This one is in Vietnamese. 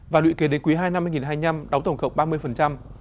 và lụy kế đến quý hai nghìn hai mươi năm đóng tổng cộng ba mươi